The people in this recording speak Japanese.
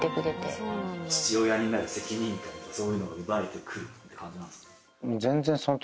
父親になる責任感とかそういうのが生まれてくるって感じなんですか？